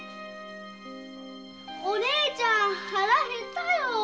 お姉ちゃん腹へったよ。